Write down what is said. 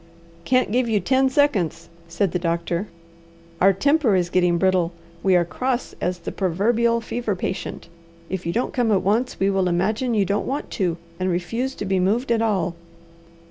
"Can't give you ten seconds," said the doctor. "Our temper is getting brittle. We are cross as the proverbial fever patient. If you don't come at once we will imagine you don't want to, and refuse to be moved at all."